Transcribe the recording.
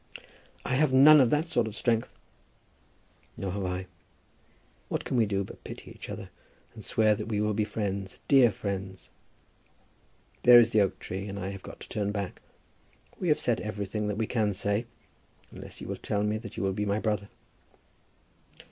"I have none of that sort of strength." "Nor have I. What can we do but pity each other, and swear that we will be friends, dear friends. There is the oak tree and I have got to turn back. We have said everything that we can say, unless you will tell me that you will be my brother."